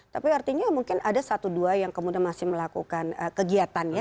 tapi artinya mungkin ada satu dua yang kemudian masih melakukan kegiatan ya